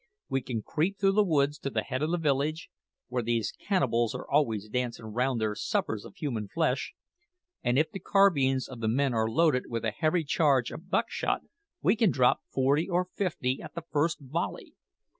We can creep through the woods to the head of the village, where these cannibals are always dancing round their suppers of human flesh; and if the carbines of the men are loaded with a heavy charge of buck shot, we can drop forty or fifty at the first volley.